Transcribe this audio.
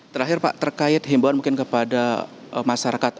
terakhir pak terkait himbauan mungkin kepada masyarakat